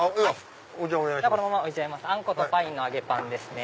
あんことパインの揚げパンですね。